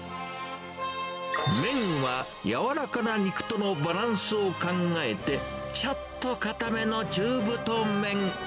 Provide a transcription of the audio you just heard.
麺は柔らかな肉とのバランスを考えて、ちょっと硬めの中太麺。